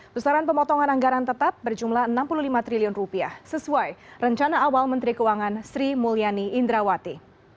besaran pemotongan anggaran tetap berjumlah rp enam puluh lima triliun sesuai rencana awal menteri keuangan sri mulyani indrawati